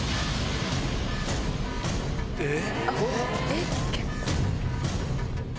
えっ？